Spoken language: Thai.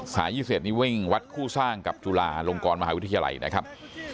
๒๑นี้วิ่งวัดคู่สร้างกับจุฬาลงกรมหาวิทยาลัยนะครับ